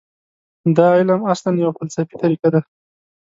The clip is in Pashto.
دا علم اصلاً یوه فلسفي طریقه ده.